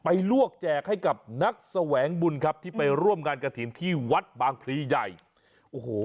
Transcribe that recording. ลวกแจกให้กับนักแสวงบุญครับที่ไปร่วมงานกระถิ่นที่วัดบางพลีใหญ่โอ้โห